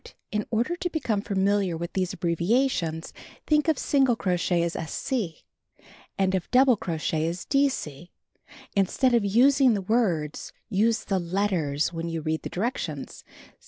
— In order to become familiar with these abbreviations — think of single crochet as "sc", and of double crochet as ''dc." Instead of using the words, use the letters when you read the directions.